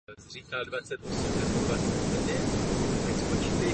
Existují nejméně dva důvody.